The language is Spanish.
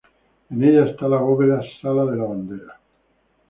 En ella está la bóveda "sala de la bandera".